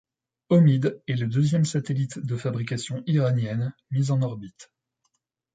Omid est le deuxième satellite de fabrication iranienne mis en orbite.